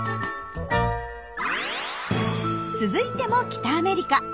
続いても北アメリカ。